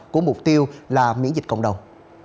của mục tiêu là miễn dịch cộng đồng